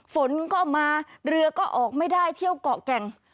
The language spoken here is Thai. ฝนก็มาเรือก็ออกไม่ได้เที่ยวเกาะแก่ง